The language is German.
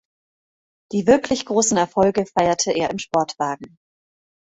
Die wirklich großen Erfolge feierte er im Sportwagen.